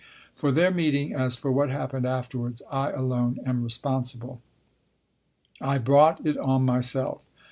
For their meeting, as for what happened afterwards, I alone am responsible. I brought it on myself.